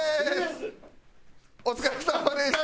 お疲れさまでした！